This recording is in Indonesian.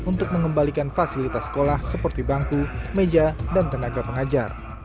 untuk mengembalikan fasilitas sekolah seperti bangku meja dan tenaga pengajar